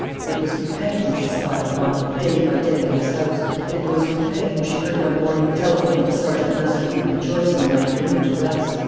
It was Lupin whom she spied upon, day by day, in this house. It was Lupin whom she heard one morning telephoning to Sergeant Mazeroux and rejoicing in my imminent arrest.